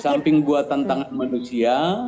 di samping buatan tangan manusia